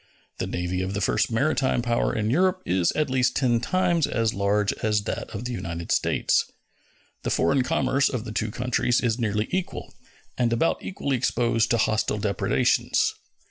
The navy of the first maritime power in Europe is at least ten times as large as that of the United States. The foreign commerce of the two countries is nearly equal, and about equally exposed to hostile depredations.